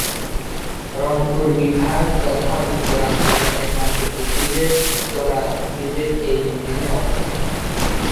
রংপুর বিভাগ তথা উত্তরাঞ্চলের একমাত্র ইপিজেড উত্তরা ইপিজেড এ ইউনিয়নে অবস্থিত।